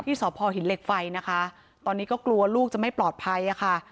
สพหินเหล็กไฟนะคะตอนนี้ก็กลัวลูกจะไม่ปลอดภัยค่ะ